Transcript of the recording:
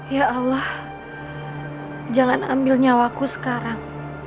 ya allah jangan ambil nyawaku sekarang